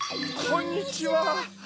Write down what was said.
こんにちは。